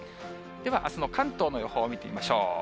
ではあすの関東の予報を見てみましょう。